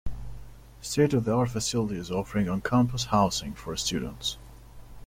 State of the art facilities offering on-campus housing for students.